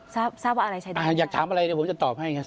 ทราบทราบว่าอะไรใช้ได้อ่าอยากถามอะไรเดี๋ยวผมจะตอบให้ครับ